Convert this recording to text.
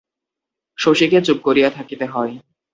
শশীকে চুপ করিয়া থাকিতে হয়।